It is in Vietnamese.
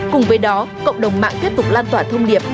cùng với đó cộng đồng mạng tiếp tục lan tỏa thông điệp